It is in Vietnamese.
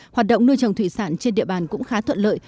hoạt động nuôi trồng thủy sản trên địa bàn cũng khá thuận lợi